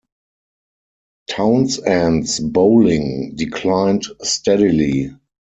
Townsend's bowling declined steadily.